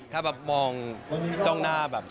ถ้าแบบมองจ้องหน้าแบบ